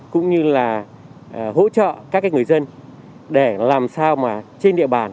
cũng như là hỗ trợ các người dân để làm sao mà trên địa bàn